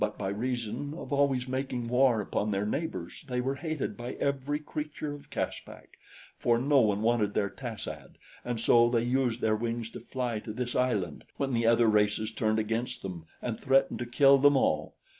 But by reason of always making war upon their neighbors they were hated by every creature of Caspak, for no one wanted their tas ad, and so they used their wings to fly to this island when the other races turned against them and threatened to kill them all.